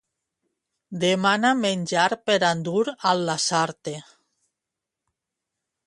Demana menjar per endur al Lasarte.